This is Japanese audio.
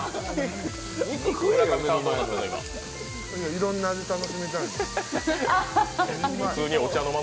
いろんな味、楽しみたい。